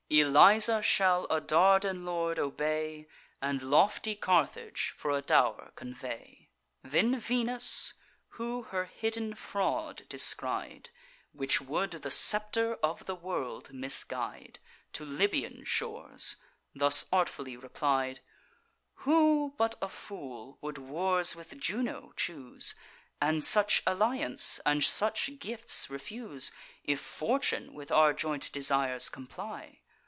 Eliza shall a Dardan lord obey, And lofty Carthage for a dow'r convey." Then Venus, who her hidden fraud descried, Which would the scepter of the world misguide To Libyan shores, thus artfully replied: "Who, but a fool, would wars with Juno choose, And such alliance and such gifts refuse, If Fortune with our joint desires comply?